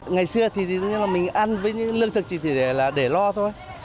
ngày xưa thì mình ăn với những lương thực chỉ để lo thôi